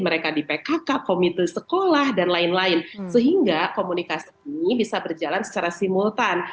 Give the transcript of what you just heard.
mereka di pkk komite sekolah dan lain lain sehingga komunikasi ini bisa berjalan secara simultan